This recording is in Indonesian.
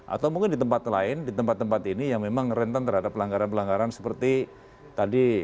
atau mungkin di tempat lain di tempat tempat ini yang memang rentan terhadap pelanggaran pelanggaran seperti tadi